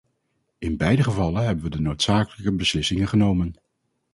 In beide gevallen hebben we de noodzakelijke beslissingen genomen.